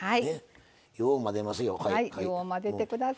よう混ぜますよはい。